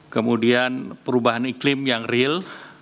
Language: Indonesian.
kemudian perubahan iklim yang real